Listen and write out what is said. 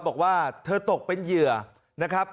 บอกว่าเธอตกเป็นเหยื่อนะครับ